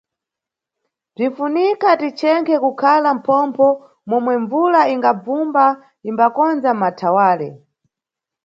Bzinʼfunika tichenkhe kukhala mʼphompho momwe mbvula ingabvumba imbakondza mathawale.